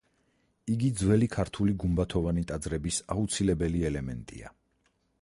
იგი ძველი ქართული გუმბათოვანი ტაძრების აუცილებელი ელემენტია.